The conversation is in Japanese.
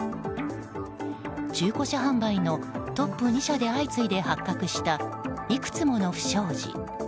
中古車販売のトップ２社で相次いで発覚したいくつもの不祥事。